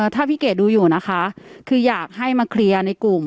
ถ้าพี่เกดดูอยู่นะคะคืออยากให้มาเคลียร์ในกลุ่ม